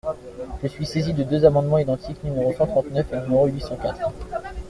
Je suis saisi de deux amendements identiques, numéros cent trente-neuf et huit cent quatre.